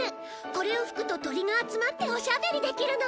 これを吹くと鳥が集まっておしゃべりできるの！